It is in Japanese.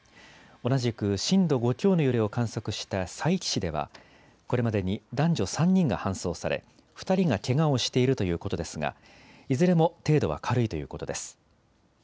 同じく震度５強の揺れを観測した佐伯市では、これまでに男女３人が搬送され、２人がけがをしているということですが、いずれも程度は軽いということです。